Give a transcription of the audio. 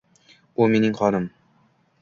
“U mening qonim.